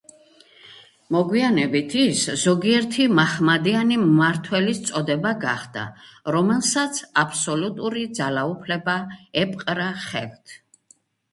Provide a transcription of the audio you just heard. მოგვიანებით ის ზოგიერთი მაჰმადიანი მმართველის წოდება გახდა, რომელსაც აბსოლუტური ძალაუფლება ეპყრა ხელთ.